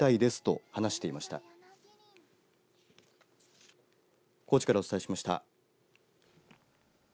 高知からお伝えしました。